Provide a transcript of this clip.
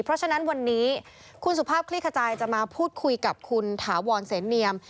เพราะฉะนั้นวันนี้คุณสุภาพคลี่ขจายจะมาพูดคุยกับคุณถาวรเสนเนียม